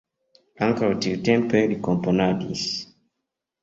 Ankaŭ tiutempe li komponadis.